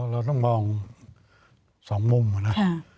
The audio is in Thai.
เราต้องมอง๒มุมนะ